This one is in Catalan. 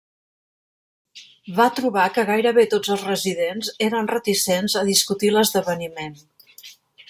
Va trobar que gairebé tots els residents eren reticents a discutir l'esdeveniment.